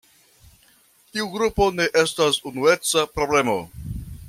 Tiu grupo ne estas unueca problemo.